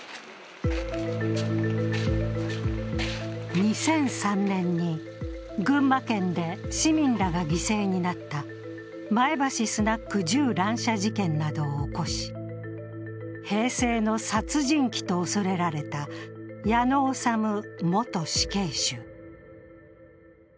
２００３年に群馬県で市民らが犠牲になった前橋スナック銃乱射事件などを起こし、平成の殺人鬼と恐れられた矢野治元死刑囚。